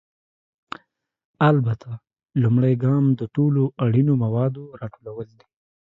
البته، لومړی ګام د ټولو اړینو موادو راټولول دي.